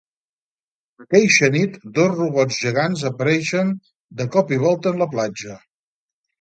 Aqueixa nit, dos robots gegants apareixen de cop i volta en la platja.